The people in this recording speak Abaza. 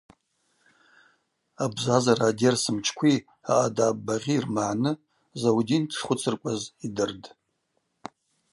Абзазара адерс мчкви аъадаб багъьи рмагӏны Заудин дшхвыцыркӏваз йдыртӏ.